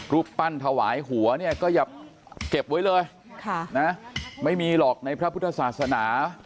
รูปปั้นถวายหัวเนี่ยก็อย่าเก็บไว้เลยไม่มีหรอกในพระพุทธศาสนา